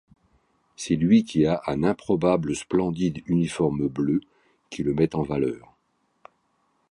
C'est lui qui a un improbable splendide uniforme bleu qui le met en valeur.